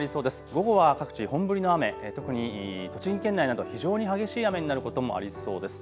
午後は各地、本降りの雨、特に栃木県内など非常に激しい雨になることもありそうです。